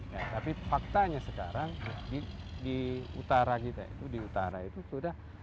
nah tapi faktanya sekarang di utara kita itu di utara itu sudah